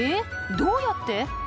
どうやって？